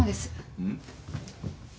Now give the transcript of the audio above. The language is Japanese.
うん？